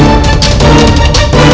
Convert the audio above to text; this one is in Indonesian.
hungim champions ini kebawa keb intake